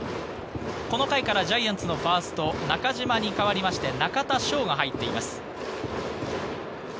この回からジャイアンツのファースト、中島に代わりまして、中田翔が入っています。